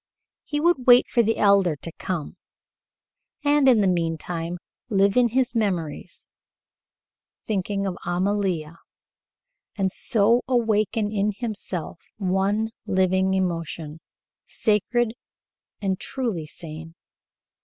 He would wait for the Elder to come, and in the meantime live in his memories, thinking of Amalia, and so awaken in himself one living emotion, sacred and truly sane.